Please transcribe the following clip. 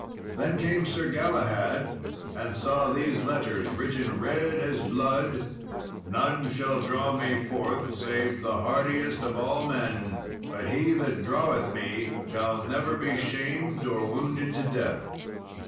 Then came Sir Galahad, and saw these letters written red as blood, "None shall draw me forth save the hardiest of all men; but he that draweth me shall never be shamed or wounded to death."